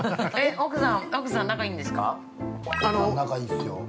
奥さん、仲いいんですか？